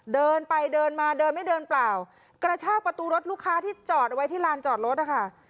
เดินไปเดินมาเดินไม่เดินเปล่ากระชากประตูรถลูกค้าที่จอดเอาไว้ที่ลานจอดรถนะคะ